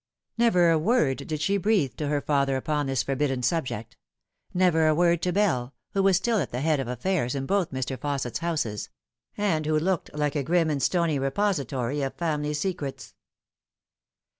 Never a word did she breathe to her f atht r upon this forbidden subject ; never a word to Bell, who was still at the head of affairs in both Mr. Fausset's houses, and who looked like a grim and stony repository of family secrets.